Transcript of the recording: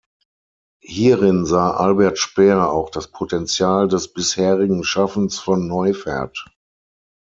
Hierin sah Albert Speer auch das Potenzial des bisherigen Schaffens von Neufert.